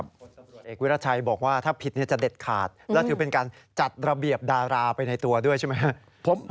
เอกวิรัชัยบอกว่าถ้าผิดจะเด็ดขาดแล้วถือเป็นการจัดระเบียบดาราไปในตัวด้วยใช่ไหมครับ